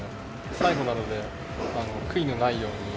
最後なので、悔いのないように。